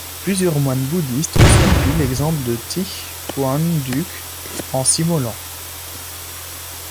Plusieurs moines bouddhistes ont suivi l’exemple de Thích Quảng Đức en s’immolant.